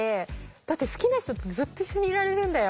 だって好きな人とずっと一緒にいられるんだよ。